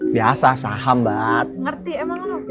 biasa saham mbak ngerti emang